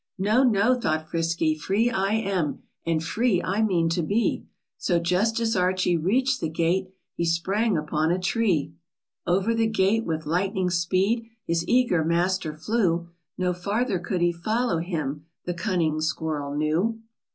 "No, no,' r thought Frisky, "free /> I am , And free I mean to be !" So, just as Archie reach'd the gate, He sprang upon a tree. Over the gate with lightning speed His eager master flew, No farther could he follow him, The cunning squirrel knew 127 FRISKY, THE SQUIRREL.